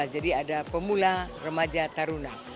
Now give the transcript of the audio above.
jadi ada pemula remaja tarunah